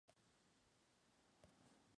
Ciudad Bolivia.